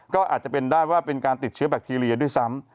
ก็อาจจะเป็นได้ว่าเป็นการติดเชื้อแบคทีเรียด้วยซ้ำ